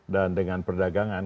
dan dengan perdagangan